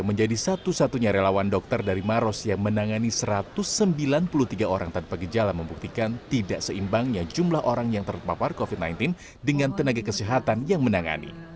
menjadi satu satunya relawan dokter dari maros yang menangani satu ratus sembilan puluh tiga orang tanpa gejala membuktikan tidak seimbangnya jumlah orang yang terpapar covid sembilan belas dengan tenaga kesehatan yang menangani